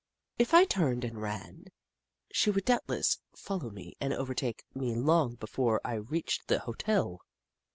If I turned and ran, she would doubtless fol low me and overtake me long before I reached the hotel.